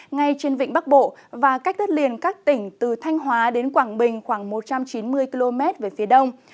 ngay trên vịnh bắc bộ và cách đất liền các tỉnh từ thanh hóa đến quảng bình khoảng một trăm chín mươi km về phía đông